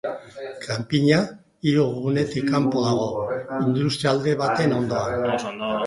Kanpina hiri-gunetik kanpo dago, industrialde baten ondoan.